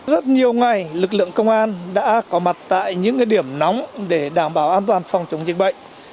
rất nhiều ngày lực lượng công an đã có mặt tại những điểm nóng để đảm bảo an toàn phòng chống dịch bệnh